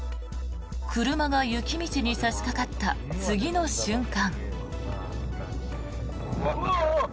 車が雪道に差しかかった次の瞬間。